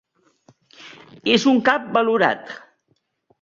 És un cap valorat.